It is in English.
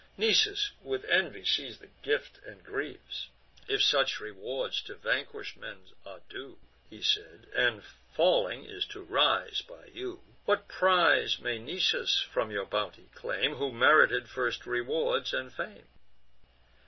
Nisus with envy sees the gift, and grieves. "If such rewards to vanquish'd men are due." He said, "and falling is to rise by you, What prize may Nisus from your bounty claim, Who merited the first rewards and fame?